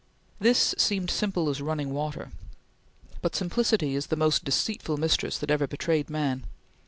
This seemed simple as running water; but simplicity is the most deceitful mistress that ever betrayed man.